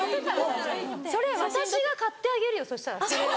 それ私が買ってあげるよそしたらそれを。